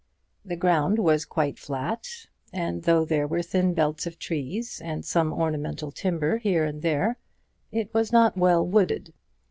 The ground was quite flat; and though there were thin belts of trees, and some ornamental timber here and there, it was not well wooded.